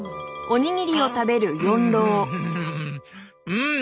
うん！